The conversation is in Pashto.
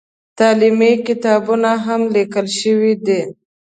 تعلیمي کتابونه هم لیکل شوي دي.